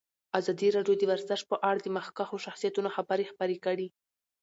ازادي راډیو د ورزش په اړه د مخکښو شخصیتونو خبرې خپرې کړي.